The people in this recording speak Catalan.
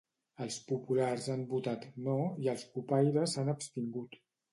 Els populars han votat "No" i els cupaires s'han abstingut.